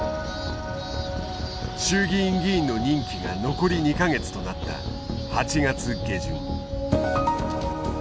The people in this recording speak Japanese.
衆議院議員の任期が残り２か月となった８月下旬。